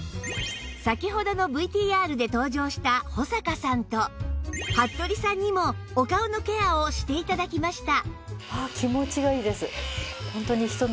先ほどの ＶＴＲ で登場した保坂さんと服部さんにもお顔のケアをして頂きました